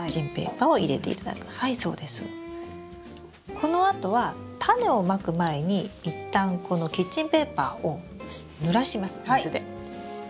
このあとはタネをまく前に一旦このキッチンペーパーをぬらします水で。